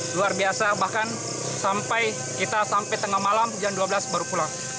luar biasa bahkan sampai kita sampai tengah malam jam dua belas baru pulang